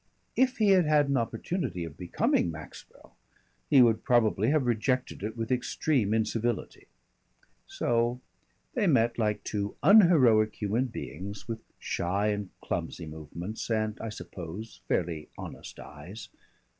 If he had had an opportunity of becoming Maxwell he would probably have rejected it with extreme incivility. So they met like two unheroic human beings, with shy and clumsy movements and, I suppose, fairly honest eyes.